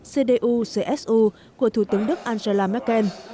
cdu csu của thủ tướng đức angela merkel